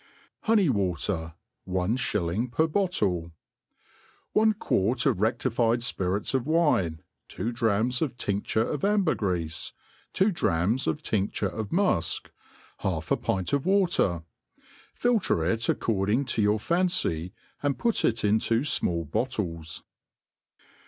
Honey Water. — Om Shilling per Bottle. > ONE ^uart of re£lifie() fpirits of wine, two drachms of tinc ture of ambergreafe, .two drachms of tinfture of mufk, half a ^jnt of water ; filter it according to your fancy, and put it in« to iinall bottles.